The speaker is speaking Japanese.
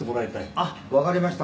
「あっわかりました」